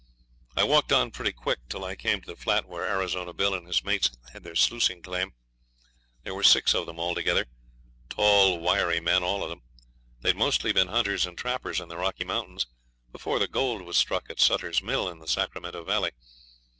I walked on pretty quick till I came to the flat where Arizona Bill and his mates had their sluicing claim. There were six of them altogether, tall wiry men all of them; they'd mostly been hunters and trappers in the Rocky Mountains before the gold was struck at Suttor's Mill, in the Sacramento Valley.